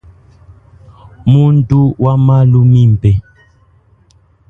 Muntu wa malu mimpe.